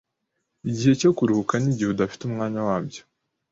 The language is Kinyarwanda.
Igihe cyo kuruhuka ni igihe udafite umwanya wabyo.